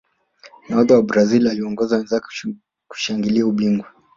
nahodha wa brazil aliwaongoza wenzake kushangilia ubingwa